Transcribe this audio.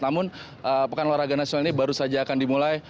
namun pekan olahraga nasional ini baru saja akan dimulai